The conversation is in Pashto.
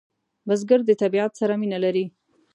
بزګر د طبیعت سره مینه لري